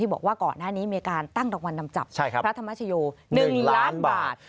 บอกว่าก่อนหน้านี้มีการตั้งรางวัลนำจับพระธรรมชโย๑ล้านบาท